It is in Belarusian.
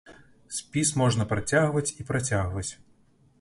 Спіс можна працягваць і працягваць.